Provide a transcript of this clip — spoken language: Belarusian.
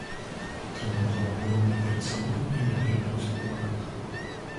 Трымаў галаву роўна перад сабой і не аглядаўся па баках.